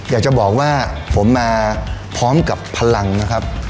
อยากจะบอกว่าผมมาพร้อมกับพลังนะครับ